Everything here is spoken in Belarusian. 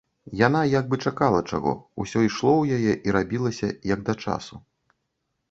Яна як бы чакала чаго, усё ішло ў яе і рабілася як да часу.